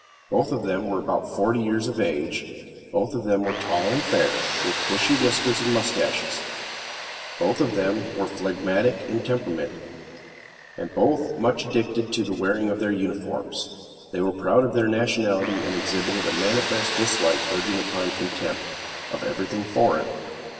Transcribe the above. Both of them were about forty years of age; both of them were tall and fair, with bushy whiskers and mustaches; both of them were phlegmatic in temperament, and both much addicted to the wearing of their uniforms. They were proud of their nationality, and exhibited a manifest dislike, verging upon contempt, of everything foreign.